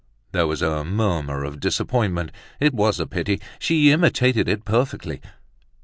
There was a murmur of disappointment; it was a pity, she imitated it perfectly.